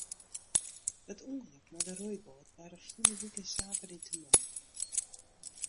It ûngelok mei de roeiboat barde ferline wike saterdeitemoarn.